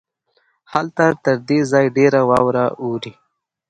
هلته تر دې ځای ډېره واوره اوري.